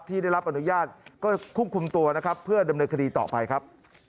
ที่ได้รับอนุญาตก็ควบคุมตัวนะครับเพื่อดำเนินคดีต่อไปครับ